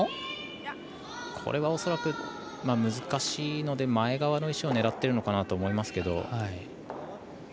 これは恐らく難しいので前側の石を狙っているのかなと思いますけど。